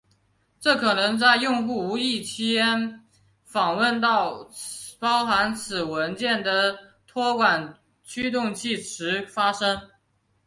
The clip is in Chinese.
这可能在用户无意间访问到包含此文件的托管驱动器时发生。